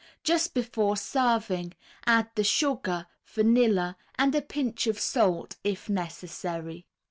Just before serving, add the sugar, vanilla and a pinch of salt, if necessary.